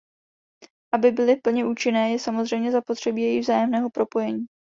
Aby byly plně účinné, je samozřejmě zapotřebí jejich vzájemného propojení.